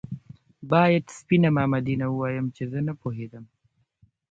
باید سپينه مامدينه ووايم چې زه نه پوهېدم